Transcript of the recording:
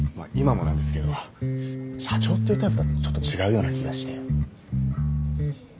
今もなんですけど社長っていうタイプとはちょっと違うような気がして。